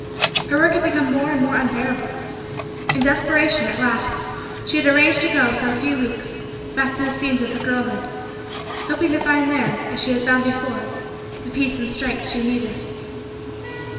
her work had become more and more unbearable. In desperation, at last, she had arranged to go, for a few weeks, back to the scenes of her girlhood; hoping to find there, as she had found before, the peace and strength she needed.